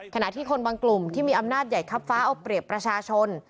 ขณะที่คนบางกลุ่มที่มีอำนาจใหญ่คับฟ้าเอาเปรียบประชาชน